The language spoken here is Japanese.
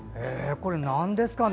これ、何ですかね